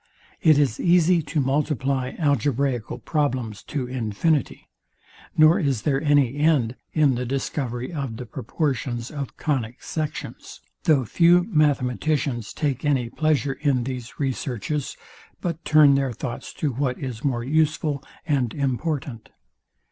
It is easy to multiply algebraical problems to infinity, nor is there any end in the discovery of the proportions of conic sections; though few mathematicians take any pleasure in these researches, but turn their thoughts to what is more useful and important.